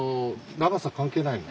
長さ関係ない。